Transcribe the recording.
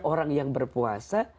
orang yang berpuasa